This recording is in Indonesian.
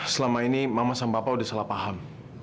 selama ini mama sama papa udah salah paham